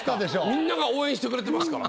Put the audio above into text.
みんなが応援してくれてますから。